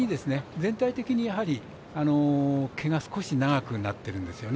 全体的に毛が少し長くなっているんですよね。